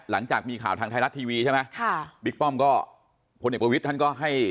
หลังจากมีข่าวทางไทยรัฐทีวีใช่ไหมค่ะบิ๊กป้อมก็พลเอกประวิทย์ท่านก็ให้